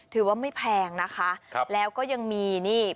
ถือว่าไม่แพงนะคะแล้วก็ยังมีนี่